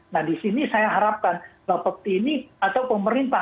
nah di sini saya harapkan bapak pepti ini atau pemerintah